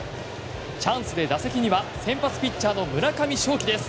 チャンスで打席には先発ピッチャーの村上頌樹です。